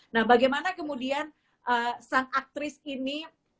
nah bagaimana kemudian sang aktris ini